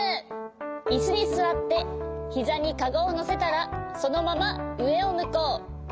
いすにすわってひざにカゴをのせたらそのままうえをむこう。